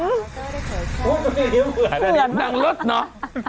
เสือแล้วนะนี่นางรถเนอะ